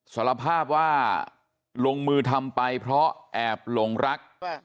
สารภาพว่าลงมือทำไปเพราะแอบหลงรัก